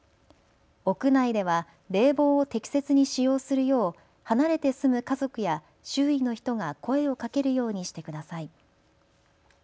屋内では冷房を適切に使用するよう離れて住む家族や周囲の人が声をかけるようにしてください。